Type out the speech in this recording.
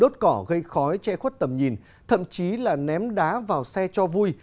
đốt cỏ gây khói che khuất tầm nhìn thậm chí là ném đá vào xe cho vui